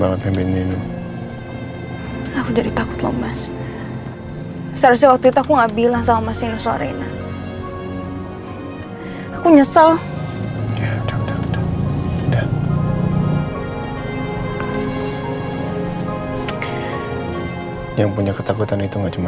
kapanpun aku mau